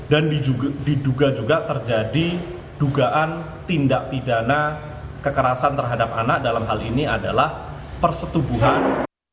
dan diduga juga terjadi dugaan tindak pidana kekerasan terhadap anak dalam hal ini adalah persetubuhan